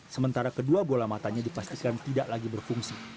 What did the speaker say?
sementara kedua bola matanya dipastikan tidak lagi berfungsi